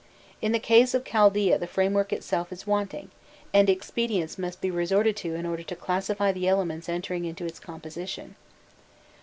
In the case of Chaldaea the framework itself is wanting, and expedients must be resorted to in order to classify the elements entering into its composition.